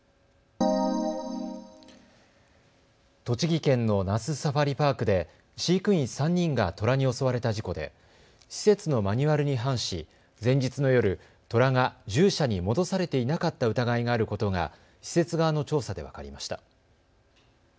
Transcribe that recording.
栃木県の那須サファリパークで飼育員３人がトラに襲われた事故で施設のマニュアルに反し、前日の夜、トラが獣舎に戻されていなかった疑いがあることが施設側の調査で分かりました。